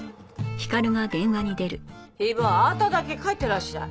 ヒー坊あなただけ帰ってらっしゃい。